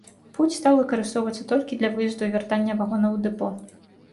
Пуць стаў выкарыстоўвацца толькі для выезду і вяртання вагонаў у дэпо.